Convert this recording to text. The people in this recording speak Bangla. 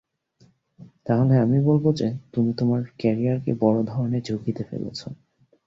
তাহলে আমি বলবো যে, তুমি তোমার ক্যারিয়ারকে বড় ধরনের ঝুঁকিতে ফেলছো।